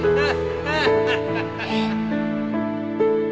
ハハハハ！